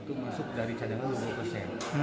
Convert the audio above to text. dua puluh satu orang itu masuk dari cadangan dua puluh persen